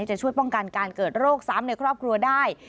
จะช่วยป้องกันการเกิดโรคซ้ำในครอบครัวได้